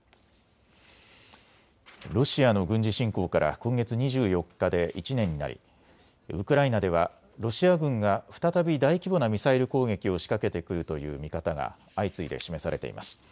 ロシアの軍事侵攻から今月２４日で１年になりウクライナではロシア軍が再び大規模なミサイル攻撃を仕掛けてくるという見方が相次いで示されています。